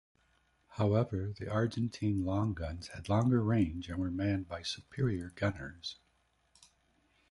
However the Argentine long guns had longer range and were manned by superior gunners.